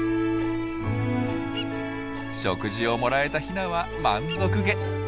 食事をもらえたヒナは満足げ。